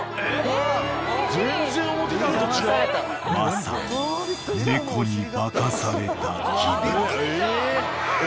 ［まさに猫に化かされた気分］